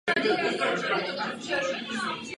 Uvědomujeme si existující těžkosti.